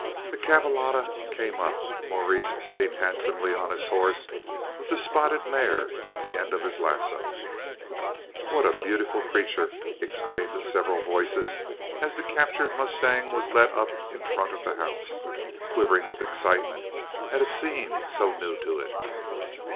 The cavallada came up, Maurice sitting handsomely on his horse, with the spotted mare at the end of his lazo. "What a beautiful creature!" exclaimed several voices, as the captured mustang was led up in front of the house, quivering with excitement at a scene so new to it.